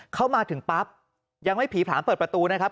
เข้ามาถึงปั๊บยังไม่ผีผลามเปิดประตูนะครับ